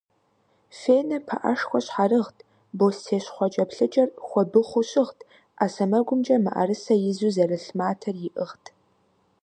Фенэ пыӏэшхуэ щхьэрыгът, бостей щхъуэкӏэплъыкӏэр хуэбыхъуу щыгът, ӏэ сэмэгумкӏэ мыӏрысэ изу зэрлъ матэр иӏыгът.